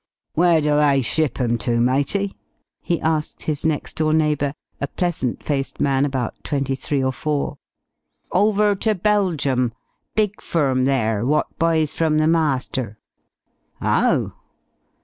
"Where do they ship 'em to, matey?" he asked his next door neighbour, a pleasant faced chap about twenty three or four. "Over ter Belgium. Big firm there what buys from the master." "Oh?"